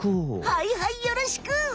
はいはいよろしく。